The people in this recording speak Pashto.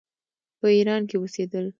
په ایران کې اوسېدل.